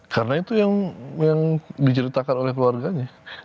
karena itu yang diceritakan oleh keluarganya